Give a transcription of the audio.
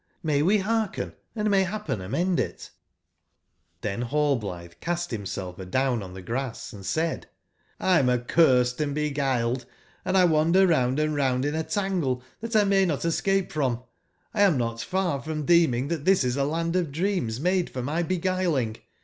JVIay we bearken, and may bappen amend it ?" j^tlben Hallblitbe cast bim self adown on tbe grass & said :'' 1 am accursed and beguiled; andlwander round and round in a tangle tbatlmaynot escape from. lam not far from deem ing tbat tbis is a land of dreams made for my be guiling.